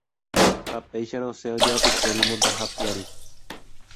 Ha péicha rosẽ ojoapykuéri mondaha piári.